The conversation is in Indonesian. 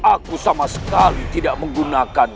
aku sama sekali tidak menggunakan